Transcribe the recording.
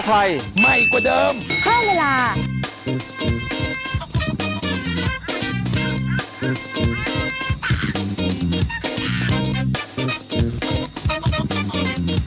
อ่ะเราไม่ต้องปังกันนะ